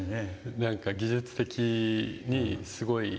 なんか技術的にすごい。